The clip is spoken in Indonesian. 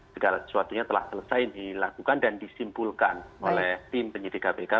segala sesuatunya telah selesai dilakukan dan disimpulkan oleh tim penyidik kpk